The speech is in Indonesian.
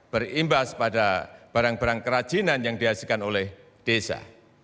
berimbas pada barang barang kerajinan yang dihasilkan oleh desa